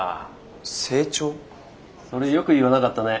それよく言わなかったね